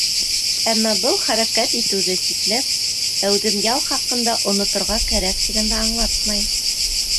Әммә был хәрәкәт итеүҙе сикләп, әүҙем ял хаҡында оноторға кәрәк тигәнде аңлатмай.